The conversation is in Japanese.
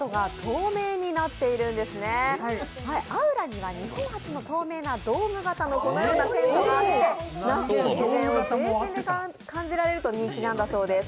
ＡＵＲＡには日本初のドーム型の透明なこのようなテントがあって那須の自然を全身で感じられると人気なんだそうです。